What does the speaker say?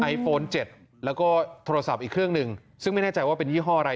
ไอโฟน๗แล้วก็โทรศัพท์อีกเครื่องหนึ่งซึ่งไม่แน่ใจว่าเป็นยี่ห้ออะไร